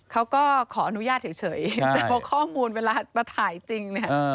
เขาก็ขออนุญาตเฉยแต่พอข้อมูลเวลามาถ่ายจริงเนี่ย